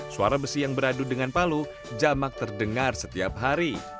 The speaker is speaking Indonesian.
suara besi yang beradu dengan palu jamak terdengar setiap hari